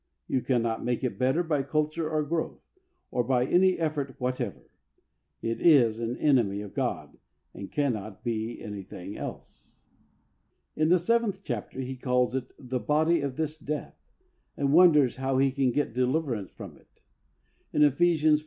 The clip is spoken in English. You cannot make it better by culture or growth, or by any effort whatever. It is an enemy of Goi and cannot be anything else. In the seventh chapter he calls it " the body of this death " and wonders how he can get deliverance from it. In Ephesians iv..